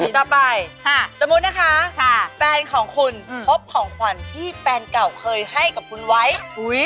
ต่อไปสมมุตินะคะแฟนของคุณพบของขวัญที่แฟนเก่าเคยให้กับคุณไว้